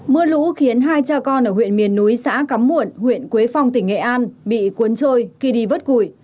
mưa lũ khiến hai cha con ở huyện miền núi xã cắm muộn huyện quế phong tỉnh nghệ an bị cuốn trôi khi đi vớt củi